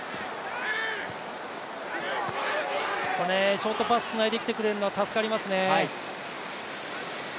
ショートパスつないできてくれるのは助かりますね。